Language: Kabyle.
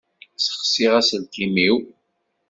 Ssexsiɣ aselkim-iw.